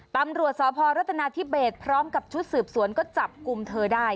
ตำรวจสพรัฐนาธิเบสพร้อมกับชุดสืบสวนก็จับกลุ่มเธอได้